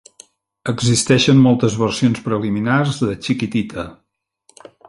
Existeixen moltes versions preliminars de "Chiquitita".